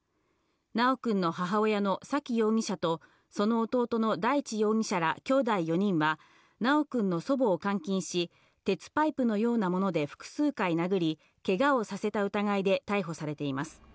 修くんの母親の沙喜容疑者とその弟の大地容疑者らきょうだい４人は修くんの祖母を監禁し、鉄パイプのようなもので複数回殴り、けがをさせた疑いで逮捕されています。